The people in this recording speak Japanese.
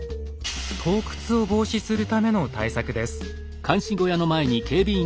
盗掘を防止するための対策です。